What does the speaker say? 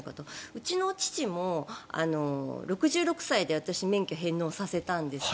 うちの父も６６歳で私、免許、返納させたんですが。